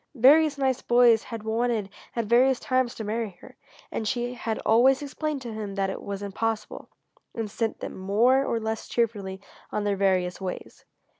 Various nice boys had wanted at various times to marry her, and she had always explained to them that it was impossible, and sent them, more or less cheerfully, on their various ways.